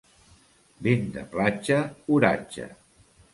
Vent de platja, oratge.